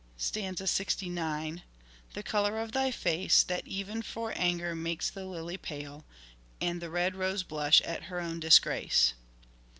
Stanza 69. "The colour of thy face, That even for anger makes the lily pale, And the red rose blush at her own disgrace."